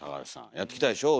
やってきたでしょう？